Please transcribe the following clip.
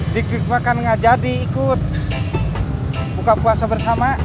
dik dik bahkan gak jadi ikut buka puasa bersama